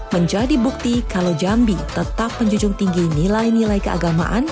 menjadi bukti kalau jambi tetap menjunjung tinggi nilai nilai keagamaan